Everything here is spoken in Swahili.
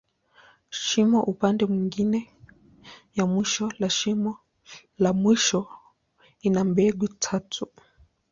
Shimo upande mwingine ya mwisho la shimo la mwisho, ina mbegu tatu.